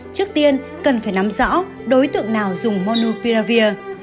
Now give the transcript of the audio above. trước tiên cần phải nắm rõ đối tượng nào dùng monupiravir